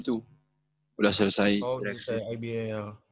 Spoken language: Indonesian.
oh udah selesai ibl